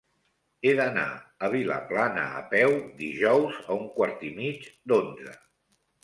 He d'anar a Vilaplana a peu dijous a un quart i mig d'onze.